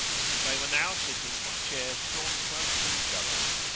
They were now sitting on chairs drawn close to each other.